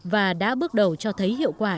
và đã bước đầu cho thấy hiệu quả